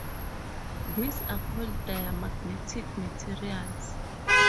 These are called diamagnetic materials.